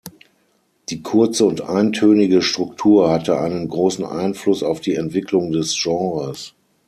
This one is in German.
Die kurze und eintönige Struktur hatte einen großen Einfluss auf die Entwicklung des Genres.